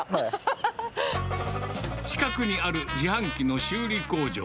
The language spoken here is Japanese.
近くにある自販機の修理工場。